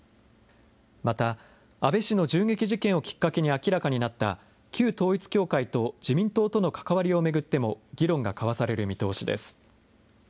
また安倍氏の銃撃事件をきっかけに明らかになった、旧統一教会と自民党との関わりを巡っても、議論が交わされる見通しです。